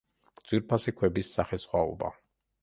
ძვირფასი ქვების სახესხვაობა.